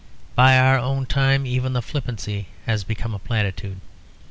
By our own time even the flippancy has become a platitude.